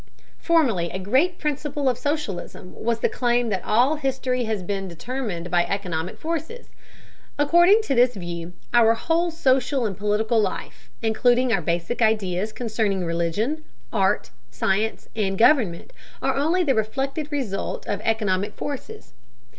Formerly a great principle of socialism was the claim that all history has been determined by economic forces. According to this view, our whole social and political life, including our basic ideas concerning religion, art, science, and government, are only the reflected result of economic forces.